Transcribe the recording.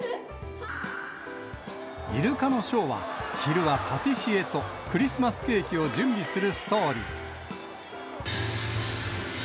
イルカのショーは、昼はパティシエとクリスマスケーキを準備するストーリー。